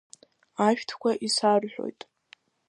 Ашәҭқәа исарҳәоит…